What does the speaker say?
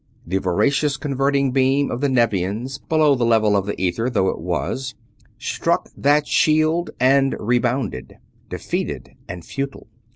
The voracious converting beam of the Nevians, below the level of the ether though it was, struck that shield and rebounded; defeated and futile.